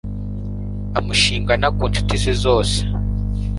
amushingana ku ncuti ze zose